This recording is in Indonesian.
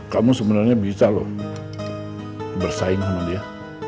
kamu sebenarnya bisa loh bersaing sama dia